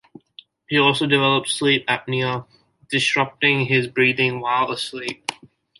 He also developed sleep apnoea, disrupting his breathing while asleep.